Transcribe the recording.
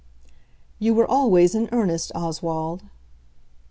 "You were always in earnest, Oswald."